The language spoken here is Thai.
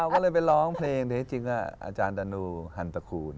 ก็เลยไปร้องเพลงเท็จจริงอาจารย์ดานูฮันตคูณ